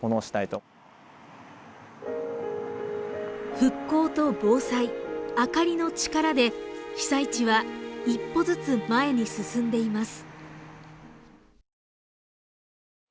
復興と防災、明かりの力で被災地は一歩ずつ前に進んでいます。